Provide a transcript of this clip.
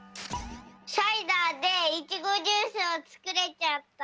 サイダーでいちごジュースをつくれちゃった。